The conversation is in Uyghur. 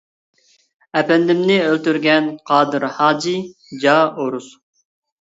ئەپەندىمنى ئۆلتۈرگەن، قادىر ھاجى جا ئورۇس.